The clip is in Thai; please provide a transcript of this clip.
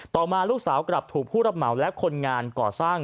ต่อมาลูกสาวกลับถูกผู้รับเหมาและคนงานก่อสร้าง